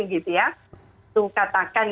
gitu ya untuk katakan